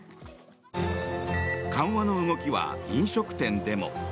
緩和の動きは飲食店でも。